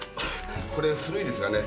これ古いですがね